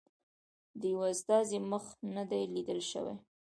د یوه استازي مخ نه دی لیدل شوی.